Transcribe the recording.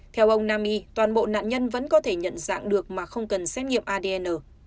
theo ông nami toàn bộ nạn nhân vẫn có thể nhận dạng được mà không cần xét nghiệm adn